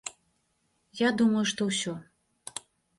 Я думаю, што ўсе.